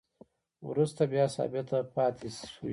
وروسته بیا ثابته پاتې شوې